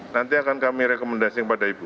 nanti akan kami rekomendasi kepada ibu